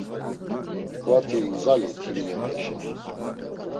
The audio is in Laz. Tkvati igzalit haminepeşa.